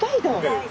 はい。